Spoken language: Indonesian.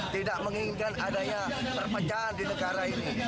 tidak menginginkan adanya perpecahan di negara ini